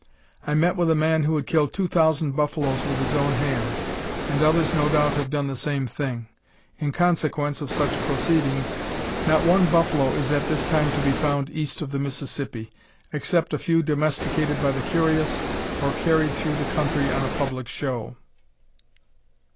I met with a man who had killed two thousand buffaloes with his own hand, and others no doubt have done the same thing. In consequence of such proceedings not one buffalo is at this time to be found east of the Mississippi, except a few domesticated by the curious, or carried through the country on a public show."